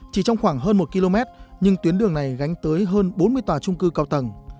chỉ trong khoảng hơn một km nhưng tuyến đường này gánh tới hơn bốn mươi tòa trung cư cao tầng